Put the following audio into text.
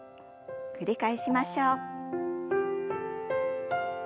繰り返しましょう。